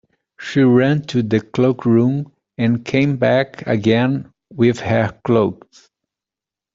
She ran to the cloak-room, and came back again with her cloak.